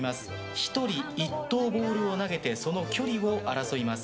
１人１投、ボールを投げてその距離を争います。